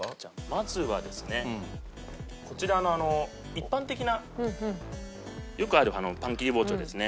まずはですねこちらの一般的なよくあるパン切り包丁ですね。